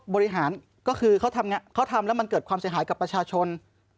บริหารก็คือเขาทำแล้วมันเกิดความเสียหายกับประชาชน